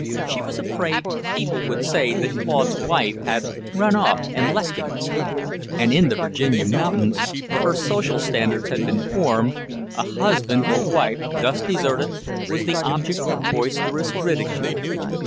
She was afraid people would say that Claude's wife had "run off an' lef' him," and in the Virginia mountains, where her social standards had been formed, a husband or wife thus deserted was the object of boisterous ridicule.